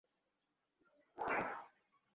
General, যদি একটু ব্যাখ্যা করার সুযোগ দিতেন।